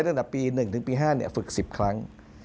ตั้งแต่ปี๑ถึงปี๕ฝึก๑๐ครั้ง